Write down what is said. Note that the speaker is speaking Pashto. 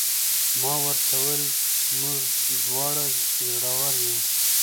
ما ورته وویل: موږ دواړه زړور یو.